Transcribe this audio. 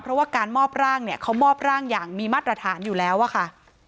เพราะว่าการมอบร่างเนี่ยเขามอบร่างอย่างมีมาตรฐานอยู่แล้วอะค่ะ